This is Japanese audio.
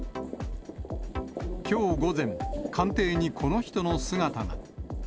きょう午前、官邸にこの人の姿が。